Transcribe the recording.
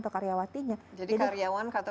atau karyawatinya jadi karyawan atau